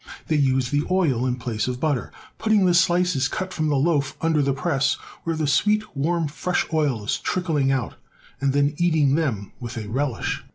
They use the oil in place of butter, putting the slices cut from the loaf under the press, where the sweet, warm, fresh oil is tric kling out, and then eating them with a relish.